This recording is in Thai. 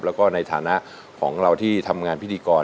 แล้วก็ในฐานะของเราที่ทำงานพิธีกร